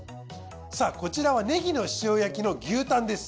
さあこちらはネギの塩焼きの牛タンです。